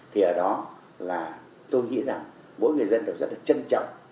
thì ở đó là tôi nghĩ rằng mỗi người dân đều rất là trân trọng